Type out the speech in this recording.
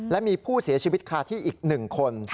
และมีผู้เสียชีวิตคาที่อีก๑คน